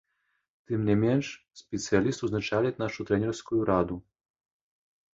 Тым не менш спецыяліст узначаліць нашу трэнерскую раду.